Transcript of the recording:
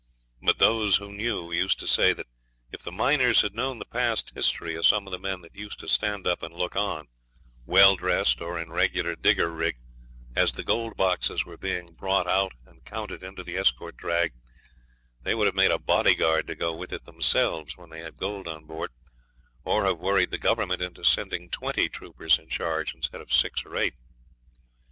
But those who knew used to say that if the miners had known the past history of some of the men that used to stand up and look on, well dressed or in regular digger rig, as the gold boxes were being brought out and counted into the escort drag, they would have made a bodyguard to go with it themselves when they had gold on board, or have worried the Government into sending twenty troopers in charge instead of six or eight.